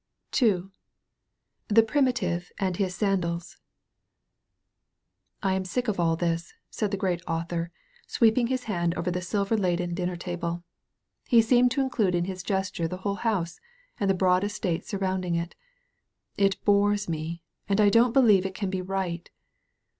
S15 THE PRIMITIVE AND HIS SANDALS R AM fidck of all this/' said the Great Author, sweeping his hand over the silver laden dinner table. He seemed to include in his gesture the whole house and the broad estate surrounding it. '*It bores me, and I don't believe it can be right."